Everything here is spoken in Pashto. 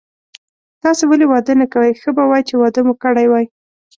تاسي ولي واده نه کوئ، ښه به وای چي واده مو کړی وای.